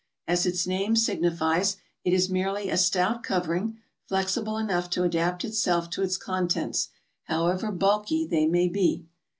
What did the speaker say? As its name signifies, it is merely a stout covering, flexible enough to adapt itself to its contents, however bulky they may be.